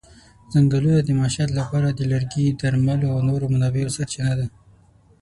ځنګلونه د معیشت لپاره د لرګي، درملو او نورو منابعو سرچینه ده.